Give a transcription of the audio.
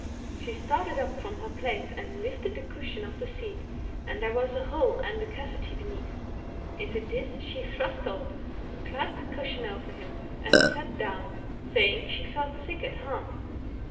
* She started up from her place and lifted the cushion oif the seat^ and there was a hole and a cavity heneath: into this she thrust Odd, clapped the cushion over him, and sat down, sajing she felt sick at heart.